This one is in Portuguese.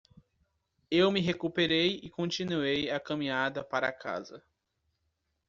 Eu me recuperei e continuei a caminhada para casa.